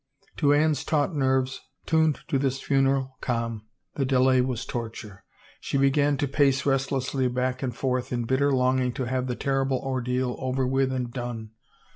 To Anne's taut nerves, tuned to this funeral calm, the delay was torture. She began to pace restlessly back and forth, in bitter longing to have the terrible ordeal over with and done.